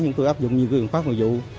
chúng tôi áp dụng như biện pháp hội vụ